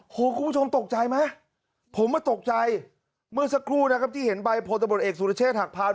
คุณผู้ชมตกใจไหมผมมาตกใจเมื่อสักครู่นะครับที่เห็นใบพลตำรวจเอกสุรเชษฐหักพาน